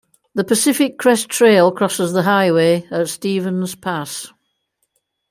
The Pacific Crest Trail crosses the highway at Stevens Pass.